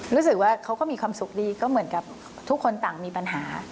รู้สึกว่าเขาก็มีความสุขดีก็เหมือนกับทุกคนต่างมีปัญหา